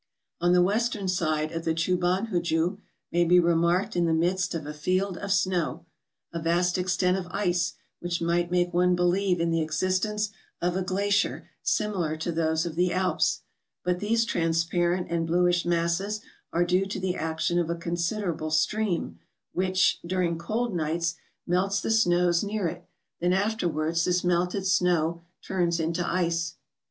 On the western side of the Tchubanhuju, may be remarked in the midst of a field of snow, a vast extent of ice which might make one believe in the existence of a glacier similar to those of the Alps; but these transparent and bluish masses are due to the action of a con¬ siderable stream, which, during cold nights, melts the snows near it; then afterwards this melted snow turns into ice.